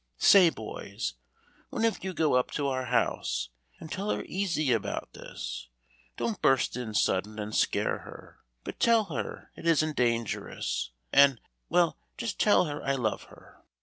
Say, boys, one of you go up to our house, and tell her easy about this; don't burst in sudden and scare her, but tell her it isn't dangerous, and well, just tell her I love her."